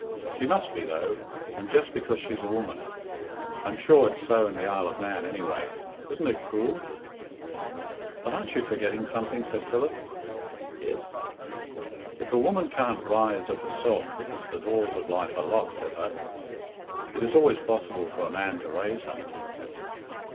She must be, though, and just because she's a woman. I'm sure it's so in the Isle of Man, anyway. Isn't it cruel?" "But aren't you forgetting something?" said Philip. "Yes?" "If a woman can't rise of herself because the doors of life are locked to her, it is always possible for a man to raise her."